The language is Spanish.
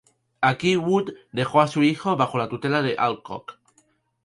Aquí Wood dejó a su hijo bajo la tutela de Alcock.